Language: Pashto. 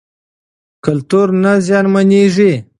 کلتور نه زیانمنېږي.